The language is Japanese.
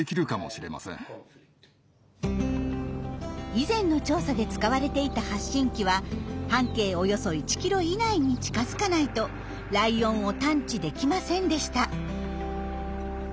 以前の調査で使われていた発信機は半径およそ１ｋｍ以内に近づかないとライオンを探知できませんでした。